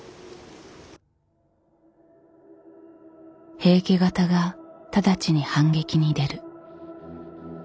平家方が直ちに反撃に出る。